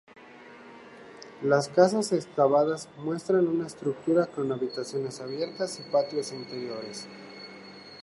Las casas excavadas muestran una estructura con habitaciones abiertas a patios interiores.